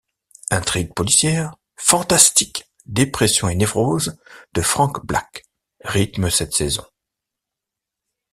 Intrigues policières, fantastique, dépression et névroses de Frank Black rythment cette saison.